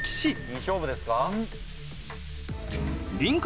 いい勝負ですか？